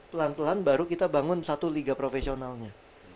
pelan pelan baru kita bangun satu liga profesionalnya